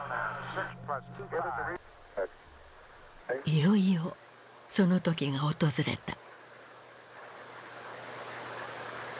いよいよその時が訪れた。